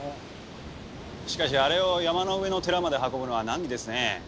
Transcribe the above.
しかしあれを山の上の寺まで運ぶのは難儀ですね。